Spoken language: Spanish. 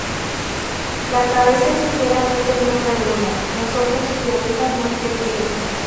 La cabeza es ligeramente más redonda, los ojos y orejas más pequeños.